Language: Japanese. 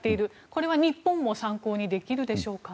これは日本も参考にできるでしょうか。